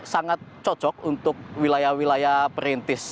sangat cocok untuk wilayah wilayah perintis